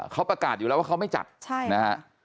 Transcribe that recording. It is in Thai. เขาประกาศอยู่แล้วว่าเขาไม่จัดใช่นะฮะ